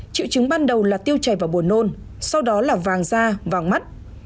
triệu chứng ban đầu là tiêu chảy vào buồn nôn sau đó là vàng da vàng mắt